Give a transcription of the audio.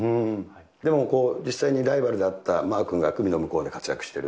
でも、実際にライバルだったマー君が海の向こうで活躍してる。